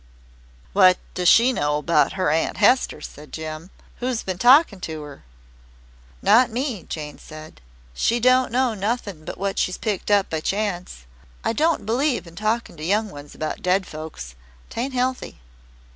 '" "What does she know about her Aunt Hester," said Jem. "Who's been talkin' to her?" "Not me," Jane said. "She don't know nothing but what she's picked up by chance. I don't believe in talkin' to young ones about dead folks. 'Tain't healthy."